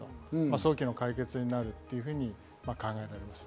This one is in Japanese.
早期の解決になるというふうに考えられます。